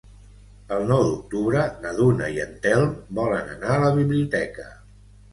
El nou d'octubre na Duna i en Telm volen anar a la biblioteca.